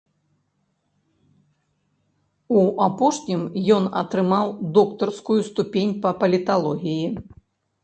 У апошнім ён атрымаў доктарскую ступень па паліталогіі.